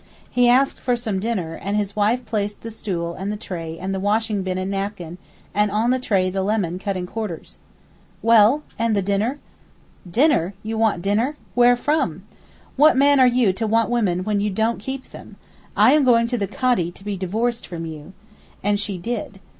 He asked for some dinner, and his wife placed the stool and the tray and the washing basin and napkin, and in the tray the lemon cut in quarters. 'Well, and the dinner?' 'Dinner! you want dinner? Where from? What man are you to want women when you don't keep them? I am going to the Cadi to be divorced from you;' and she did.